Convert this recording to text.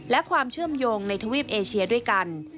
และความเชื่อมโยงในทวีปเอเชียด้วยกัน